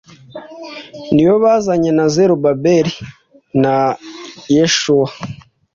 ni bo bazanye na zerubabeli na yeshuwa